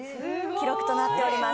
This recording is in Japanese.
記録となっております